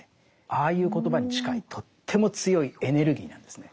ああいう言葉に近いとっても強いエネルギーなんですね。